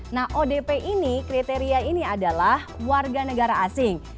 nah odp ini kriteria ini adalah warga negara asing